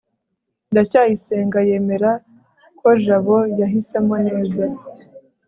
ndacyayisenga yemera ko jabo yahisemo neza